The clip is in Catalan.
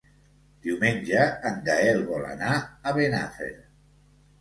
Diumenge en Gaël vol anar a Benafer.